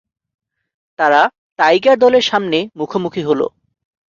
তারা টাইগার দলের সামনে মুখোমুখি হলো।